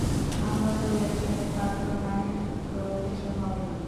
আমরা দু-একজনের প্রার্থনায় তো কিছু হবে না।